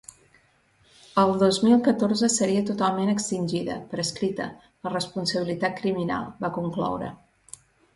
“El dos mil catorze seria totalment extingida, prescrita, la responsabilitat criminal”, va concloure.